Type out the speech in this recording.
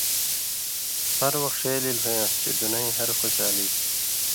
ہر وخ ݜے لِیل ہُویان٘س چےۡ دُنئِیں ہر خوشالی